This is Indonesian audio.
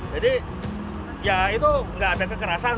jadi ya itu enggak ada kekerasan